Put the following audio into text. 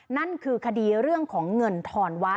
นั่นคือคดีเรื่องของเงินทอนวัด